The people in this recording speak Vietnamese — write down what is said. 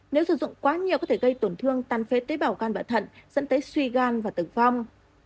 nếu sử dụng quá nhiều có thể gây tổn thương tan phế tế bào gan bạ thận dẫn tới suy gan và tử vong